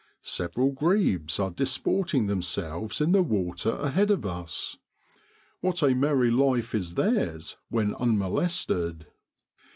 Several grebes are dis porting themselves in the water ahead of us. What a merry life is theirs when unmolested!